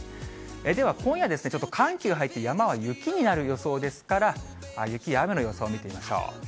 では今夜ですね、ちょっと寒気が入って、山は雪になる予想ですから、雪や雨の予想を見ていきましょう。